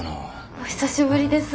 お久しぶりです。